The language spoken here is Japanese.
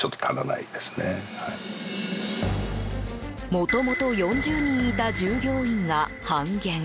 もともと４０人いた従業員が半減。